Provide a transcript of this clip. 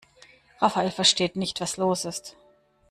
Rafael versteht nicht, was los ist.